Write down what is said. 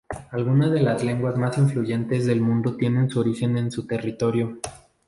Algunas de las lenguas más influyentes del mundo tienen su origen en su territorio.